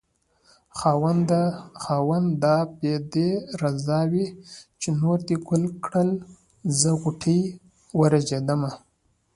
خاونده دا به دې رضا وي چې نور دې ګل کړل زه غوټۍ ورژېدمه